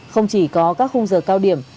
không chỉ có các khung giờ cao điểm